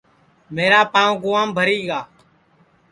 میرا پانٚو گُام بھری گا